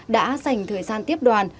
đã dành thời gian tiếp đoàn